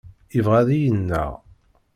Yebɣa ad iyi-ineɣ.